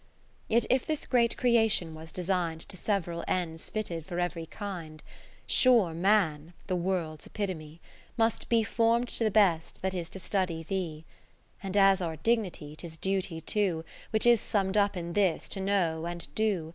Yet if this great Creation was de sign'd To several ends fitted for every kind ; Sure Man (the World's epitome) must be Form'd to the best, that is to study Thee. 10 And as our dignity, 'tis duty too. Which is summ'd up in this, to know and do.